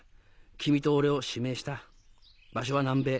君と俺を指名した場所は南米。